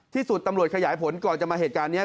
ที่สุดตำรวจขยายผลก่อนจะมาเหตุการณ์นี้